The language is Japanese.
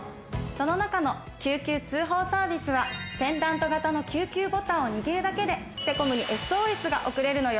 その中の救急通報サービスはペンダント型の救急ボタンを握るだけでセコムにＳＯＳが送れるのよ。